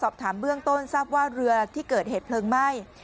สอบถามเบื้องต้นทราบว่าเรือที่เกิดเหตุเพลิงไหม้